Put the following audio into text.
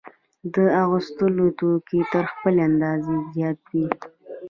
د اغوستلو توکي تر خپلې اندازې زیات وي